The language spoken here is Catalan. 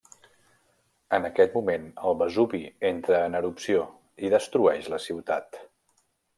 En aquest moment el Vesuvi entra en erupció, i destrueix la ciutat.